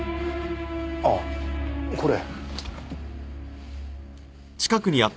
ああこれ。